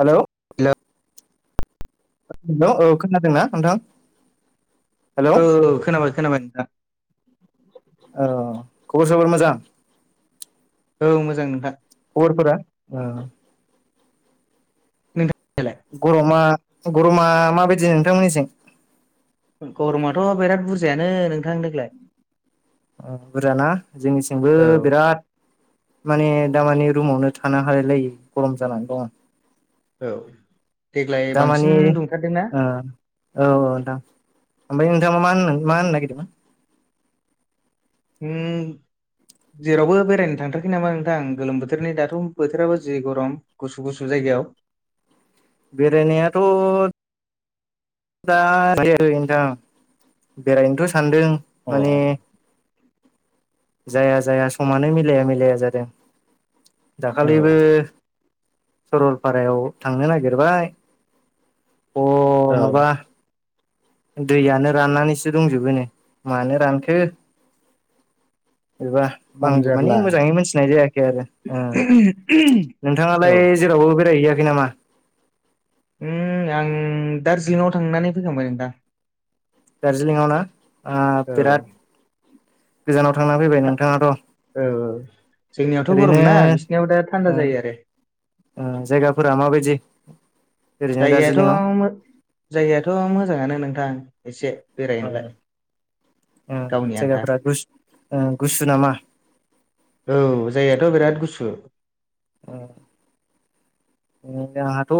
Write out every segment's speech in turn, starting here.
Hello hello hello औ खोनादोंना नोंथां? हेलौ औ खोनाबाय खोनाबाय नोंथां औ खबर सबर मोजां औ मोजां नोंथां खबरफोरा ओ नोंथांलाय गरमा गरमा माबायदि नोंथांमोननिजों गरमाथ' बिराथ बुरजायानो नोंथां देग्लाय बुरजाना जोंनिथिंबो औ बिराद माने दामानि रुमावनो थानो हालाय लायि गरम जानानै दं औ देग्लाय दामानि बांसिन दुंथारदोंना ओ औ औ दा ओमफ्राय नोंथां मा होनो मा होननो नागिरदोंमोन होम जेरावबो बेरायनो थांथारखै नामा नोंथां गोलोम बोथोरनि दाथ' बोथोराबो जि गरम गुसु गुसु जाय गायाव बेरायनायाथ' दा [unintelligible] बेरायनोथ' सानदों अ माने जाया जाया समानो मिलाया मिलाया जादों औ दाखालिबो सरलपारायाव थांनो नागिरबाय अ औ माबा दैयानो राननानैसो दंजोबोनो मानो रानखो? एबा खम आंबो मानि जारला मोजाङै मोनथिनाय जायाखै आरो औ नोंथाङालाय जेरावबो बेरायहैयाखै नामा? उम आं दार्जिलिंआव थांनानै फैखांबाय नोंथां दार्जिलिंआव ना ओ औ बिराद गोजानाव थांना फैबाय औ नोंथाङाथ' औ जोंनियावथ' गरम ओरैनो ना बिसिनाव दा थान्दा ओ जायो आरो ओ जायगाफोरा माबायदि ओरैनो जायगायाथ' दार्जिलिंआव जायगायाथ' मोजाङानो नोंथां एसे औ बेरायनोलाय ओ गावनि आन्था जायगाफोरा गुसु ओ गुसु नामा औ जायगायाथ' बिराद गुसु अ [inaudible] जोंहाथ'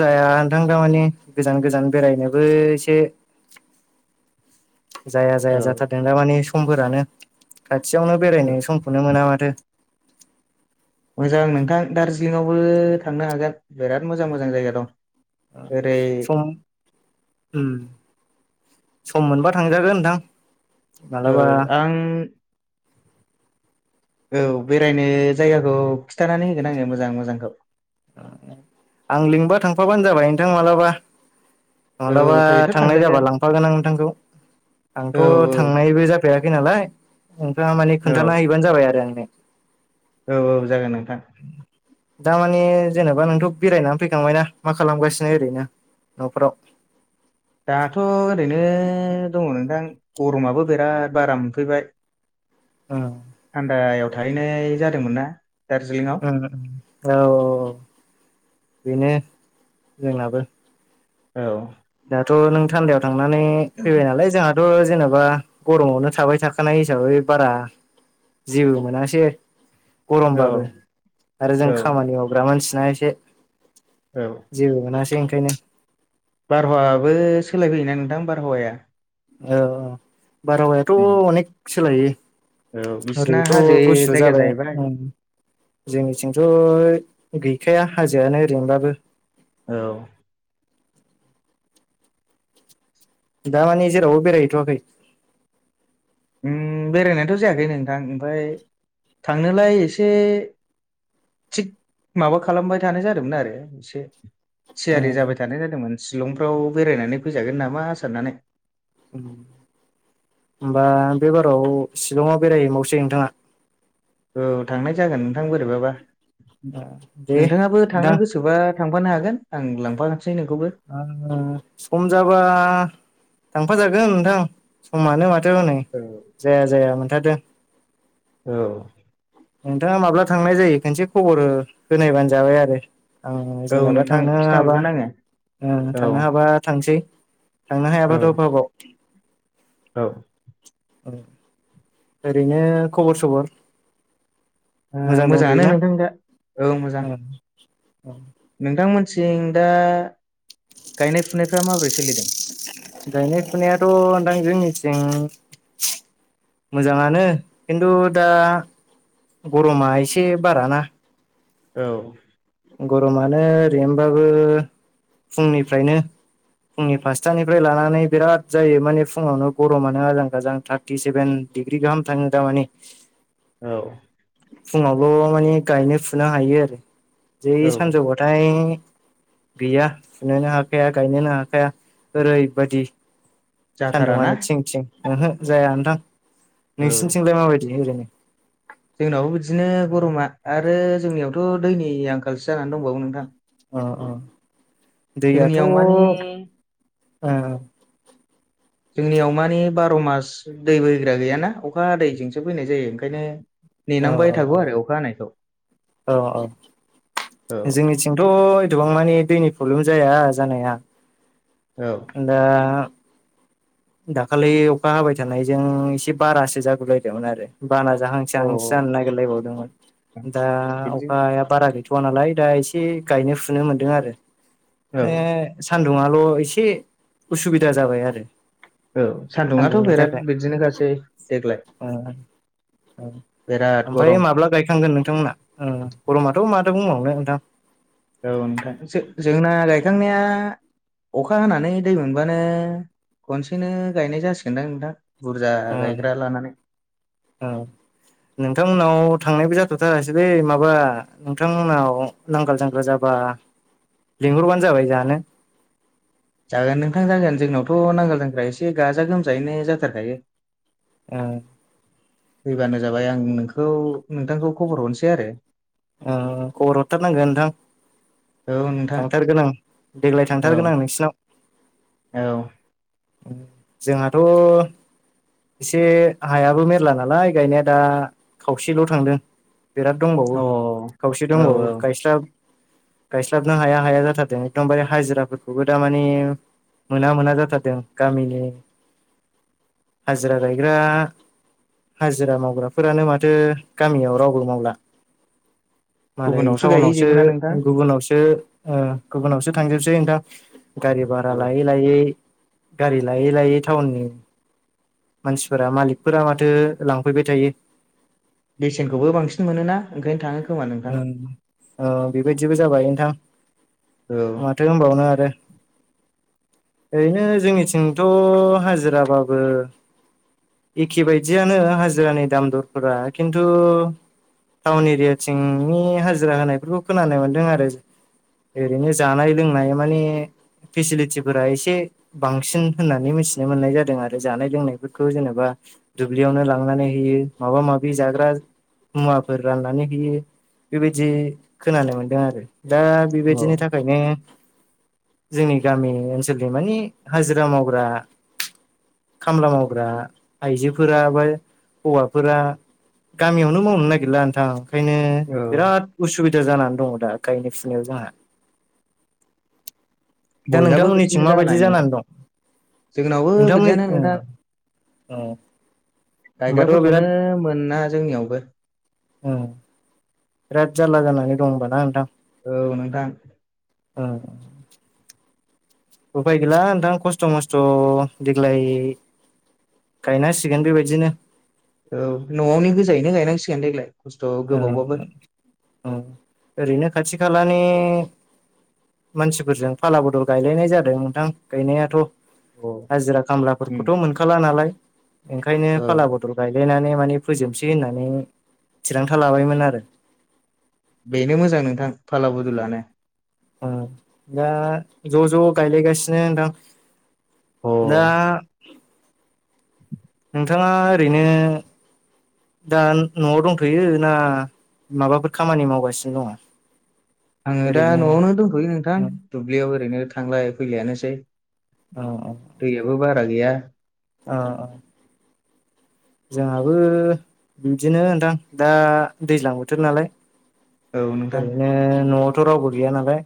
जाया नोंथां थारमानि गोजान गोजान बेरायनोबो एसे [inaudible] जाया औ जाया जाथारदों माने समफोरानो खाथियावनो बेरायनाय समखौनो मोना माथो मोजां नोंथां दार्जिलिंङावबो थांनो हागोन बिराद मोजां मोजां जायगा दं ओरै सम उम सम मोनबा थांजागोन नोंथां औ मालाबा आं औ बेरायनो जायगाखौ खिथानानै होगोन आङो मोजां मोजांखौ आं लिंबा थांफाबानो जाबाय नोंथां मालाबा औ माब्लाबा ओरैथ' थांनाय जाबा थांजागोन लांफागोन आं नोंथांखौ औ आंथ' थांनायबो जाफेरा खै नालाय ओमफ्राय माने औ खोनन्थाना हैबानो जाबाय आरो आंनो औ औ जागोन नोंथां दामानि जेनेबा नोंथ' बेरायनानै फैखांबायना मा खालामगासिनो ओरैनो न'फोराव दाथ' ओरैनो दङ नोंथां गरमाबो बिराद बारा मोनफैबाय ओ थान्दायाव थाहैनाय जादोंमोन ना दार्जिलिंआव ओं-ओं औ औ औ बेनो जोंनाबो औ दाथ' नों थान्दायाव थांनानै फैबाय नालाय जोंहा थ' जेनेबा गरमावनो थाबाय थाखानाय हिसाबै बारा जेबो मोनासै औ गरमबाबो आरो औ जों खामानि मावग्रा मानसिना एसे औ जेबो मोनासै ओंखायनो बारहावाबो सोलायफैयोना नोंथां बारहावाया औ बारहावायाथ' अनेक सोलायो औ बिसिना ओरैथ' हाजो गुसु जायगा जाबाय जाहैबाय जोंनिथिंथ' गैखाया हाजोआनो ओरैनोबाबो औ दा माने जेरावबो बेरायहैथ'वाखै बेरायनायथ' जायाखै नोंथां ओमफ्राय थांनोलाय एसे थिग माबा खालामबाय थानाय जादोंमोन आरो एसे थियारि जाबाय थानाय जादोंमोन शिलंफ्राव बेरायनानै फैजागोन नामा साननानै उ होमबा बे बाराव शिलङाव बेरायहैबावसै नोंथाङा औ थांनाय जागोन नोंथां बोरैबाबा दे नोंथाङाबो थांनो नोंथां गोसोबा थांफानो हागोन आं लांफोन सम जाबा थांफाजागोन नोंथां समानो मा थारनै औ जाया जाया मोनथारदो। औ नोंथाङा माब्ला थांनाय जायो खनसे खबर होनायबानो जाबाय आरो आं औ जेनेबा नोंथां थांनो हाबा खिथाहरगोन आङो औ थांनो हाबा थांसै थांनो औ हायाबाथ' अ भाबाव औ ओरैनो खबर सबर ओ मोजां दंथ'यो मोजाङानो ना नोंथां दा औ औ नोंथांमोनथिं दा गायनाय फुनायफ्रा माबोरै सोलिदों गायनाय फुनायाथ' नदां जोंनिथिं मोजाङानो खिन्थु दा गरमा एसे बाराना औ गरमानो ओरैनोबाबो फुंनिफ्रायनो फुंनि फासथानिफ्राय लानानै बिराद जायो माने फुङावनो गरमानो आजां गाजां थारटि सेभेन डिग्रि गाहाम थाङो दामानिे औ फुङावलबो माने गायनो फुनो हायो आरो जै औ सानजौबाथाय गैया फुनोनो हाखाया गायनोनो हाखाया ओरैबादि जाथाराना सान्दुङानो थिं थिं ओहो जाया नोंथां औ नोंसिनिथिंलाय माबायदि ओरैनो? जोंनावबो बिदिनो गरमा आरो जोंनियावथ' दैनि आंखालसो जानानै दंबावो नोंथां। अ अ दैयाथ' जोंनियाव मानि जोंनियाव मानिे बार' मास दै बैग्रा गैयाना अखा दैैजोंसो बैनाय जायो ओंखायनो। औ नेनांबाय थागौ आरो अखा हानायखौ। औ औ औ जोंनिथिंथ' एथबां मानिे दैनि प्रब्लेम जाया जानाया। [unintelligible] दाखालि अखा हाबाय थानायजों एसे बारासो जागोबलायदोंमोन आरो। बाना जाहांसो औ जाहांसो जानो अ नागिरलायबावदोंमोन दा बिदि अखाया बारा गै बथ नालाय दा एसे गायनो फुनो मोनदों आरो औ सान दङाल' एसे उसुबिदा जाबाय आरो। औ सान्दुंङाथ' सान्दुंनि बिराद थाखाय बिदिनोखासै देग्लाय औ बिराद गरम ओमफ्राय माब्ला गायखांगोन नोंथांमोना गरमाथ' माथो बुंबावनो नोंथां। औ नोंथां जो-जोंना गायखांनाया अखा हानानै दै मोनबानो खनसेनो गायनाय जासिगोनदां नोंथां। बुरजा औ गायग्रा लानानै औ नोंथांमोनाव थांनायबो जाथ जथारासैलै माबा नोंथांमोनाव नांगोल जांग्रा जाबा लिंहरबानो जाबाय जानो। जागोन नोंथां जागोन जोंनावथ' नांगोल जग्रा एसे गाजा गोमजायैनो जाथारखायो। ओ फैबानो जाबाय आं नोंखौ नोंथांखौ खबर हरसै आरो। औ खबर हरथारनांगोन नोंथां। औ नोंथां थांथारगोन आं देग्लाय औ थांथारगोन आं नोंसिनाव। औ जोंहाथ एसे हायाबो मेरला नालाय गायनाया दा खावसेल थांदों। बिराद दंबावो औ खावसे दंबावो औ गायस्रा गायस्लाबनो हाया हाया जाथारदों एदमबार हाजिराफोरखौबो दारमानि मोना मोना जाथारदों गामिनि हाजिरा गायग्रा। हाजिरा मावग्राफोरानो माथो गामियाव रावबो मावला। मालाय गुबुनावसो टाउनावसो गायहैजोबो ना नोंथां गुबुनावसो ओ गुबुनावसो थांजोबसै नोंथां गारि भारा औ लायै लायै। गारि लायै लायै टाउननि मानसिफोरा मालिकफोरा माथो लांफैबाय थायो। बेसेनखौबो बांसिन मोनो ना ओंखायनो थाङो। खोमा नोंथां औ बेबायदिबो जाबाय नोंथां औ माथो होनबावनो आरो। ओरैनो जोंनिथिंथ हाजिराबाबो एखे बायदियानो हाजिरानि दाम दरफोरा खिन्थु टाउन एरिया थिंनि हाजिरा होनायफोरखौ खोनानो मोनदों आरो। ओरैनो जानाय लोंनाय माने फेसिलिटिफोरा एसे बांसिन होननानै मिथिनो मोननाय जादों आरो जानाय लोंनायफोरखौ जेनेबा दुब्लियावनो लांनानै होयो माबा माबि जाग्रा मुवाफोर राननानै बेबायदि खोनानो मोनदों आरो दा औ बेबायदिनि थाखायनो जोंनि गामि ओनसोलनि मानि हाजिरा मावग्रा खामला मावग्रा आइजोफोरा बा हौवाफोरा गामियावनो मावनो नागिरला नोंथां ओंखायनो औ बिराद उसुबि दा जानानै दङ दा गायनाय फुनायाव जोंहा। दा बयहाबो नोंथांमोननिथिं बिदिनो माबायदि जानाय नोंथां जानानै दं। जोंनावबो नोंथां मोनि बिदियानो ओ नोंथां औ। गायग्राफोरखौनो मोना जोंनियावबो। औ बिराद जारला जानानै दं होनबा ना नोंथां। औ नोंथां। ओ उफाय गैला नोंथां खस्थ मस्थ देग्लाय गायनांसिगोन बेबायदिनो। औ नआवनि गोजायैनो गायनांसिगोन देग्लाय। खस्थ' औ गोबावबाबो औ ओरैनो खाथि खालानि मानसिफोरजों फाला बदल गायलायनाय जादों नोंथां गायनायाथ' हाजिरा उम खामलाफोरखौथ मोनखाला नालाय ओंखायनो औ फाला बदल गायलायनानै मानि फोजोबनसै होननानै थिरांथा लाबायमोन आरो। बेनो मोजां नोंथां फाला बुदुलानो। ओ दा ज' ज' गायलायगासिनो नोंथां। अ दा नोंथाङा ओरैनो दा नआव दंथयो ना माबाफोर खामानि मावगासिनो दङ? आङो दा ओरैनो न'आवनो दंथ'यो नोंथां औ दुब्लियाव ओरैनो थांलाय फैलायानोसै औ दैयाबो बारा गैया। ओ ओ जोंहाबो बिदिनो नोंथां दा दैज्लां बोथोर नालाय औ नोंथां ओरैनो न'आवथ' रावबो गैया नालाय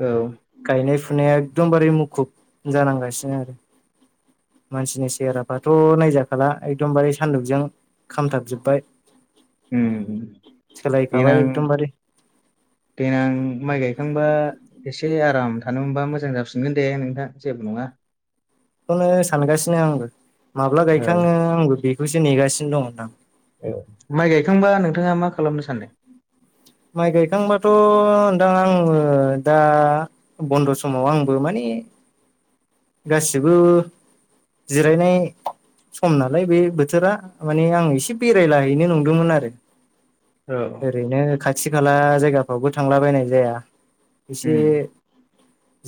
औ गायनाय फुनाया एकदमबारे मुखुब जानांगासिनो आरो। मानसिनि सेहेराफ्राथ' नायजाखाला एकदमबारे सानदुंजों खामथाबजोबबाय। उम सोलायखाबाय देनां एकदमबारे देनां माइ गाय खांबा एसे आराम थानो मोनबा मोजां जाफिनगोन दे नोंथां जेबो नङा। खौनो सानगासिनो आंबो माब्ला औ गायखाङो आंबो बेखौसो नेगासिनो दं नोंथां। औ माइ गायखांबा नोंथाङा मा खालामनो सानदों? माइ गायखांबाथ' ओन्थां आङो दा बन्द' समाव आंबो माने [inaudible] गासिबो जिरायनाय सम नालाय बे बोथोरा माने आं एसे बेरायलाहैनो नंदोंमोन आरो। औ ओरैनो खाथि खाला जायगाफ्रावबो थांलाबायनाय जाया। एसे उम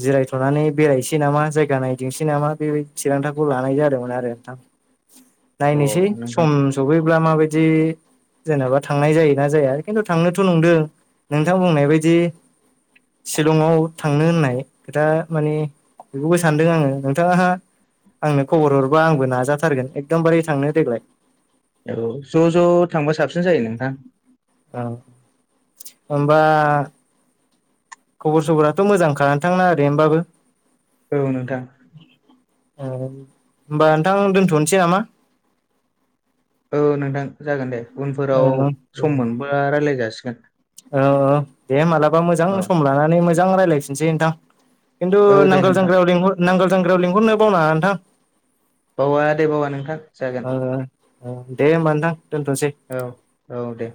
जिरायथ'नानै बेरायनोसै नामा जाय गानायदिंसै नामा बेबायदि थिरांथाखौ लानाय जादोंमोन आरो नोंथां। अ नायनोसै नोंथां सम सफैब्ला माबायदि जेनेबा थांनाय जायोना जाया खिन्थु थांनोथ' नंदों नोंथां बुंनाय बायदि शिलंआव थांनो होननाय खोथा माने बेखौ गोस सानदों आङो नोंथांहा आंनो खबर हरबा आंबो नाजाथारगोन एकदमबारे थांनो देग्लाय औ ज' ज' थांबा साबसिन जायो नोंथां। औ होमबा खबर सबराथ' मोजांखा नोंथांना आरैनोबाबो। औ नोंथां ए होनोमबा नोंथां दोनथ'नसै नामा? औ नोंथां जागोन दे उनफोराव सम मोनबा रायज्लाय जासिगोन। औ औ दे मालाबा मोजां औ सम लानानै मोजां रायलायफिनसै नोंथां। खिन्थु औ दे नांगोल नोंथां जांख्रायाव लिंहर नांगोल जांख्रायाव लिंहरनो बावना नोंथां। बावा दे बावा नोंथां जागोन। ओ ओ दे होमबा नोंथां दोनथ'सै औ औ दे